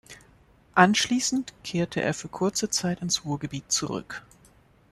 Anschließend kehrte er für kurze Zeit ins Ruhrgebiet zurück.